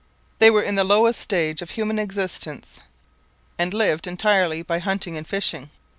They were in the lowest stage of human existence and lived entirely by hunting and fishing.